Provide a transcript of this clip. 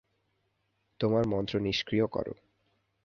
তোমার মন্ত্র নিষ্ক্রিয় করো।